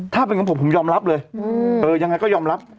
ถ้าเป็นของผมผมยอมรับเลยยังไงก็ยอมรับ